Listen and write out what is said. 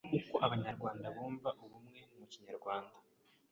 Uko abanyarwanda bumva ubumwe Mu kinyarwanda